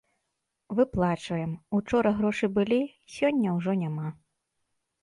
Выплачваем, учора грошы былі, сёння ўжо няма.